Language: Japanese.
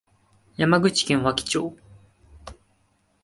山口県和木町